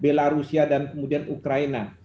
belarusia dan kemudian ukraina